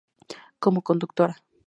Como Conductora